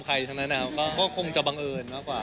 ก็คงจะบังเอิญมากว่า